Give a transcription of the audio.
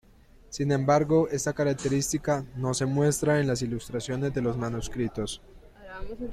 Sin embargo, esta característica no se muestra en las ilustraciones de los manuscritos.